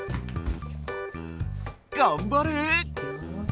がんばれ！